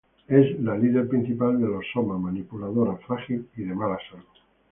Es la líder principal de los Sōma, manipuladora, frágil y de mala salud.